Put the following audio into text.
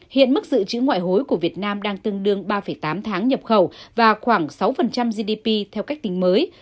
hiện mức dự trữ ngoại hối của việt nam đang tương đương ba tám tháng nhập khẩu và khoảng sáu gdp theo cách tính mới